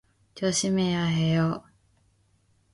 조심해야 해요.